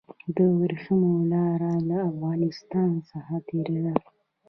د ورېښمو لاره له افغانستان څخه تیریده